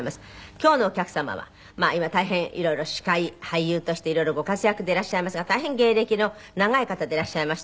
今日のお客様はまあ今大変色々司会俳優として色々ご活躍でいらっしゃいますが大変芸歴の長い方でいらっしゃいまして。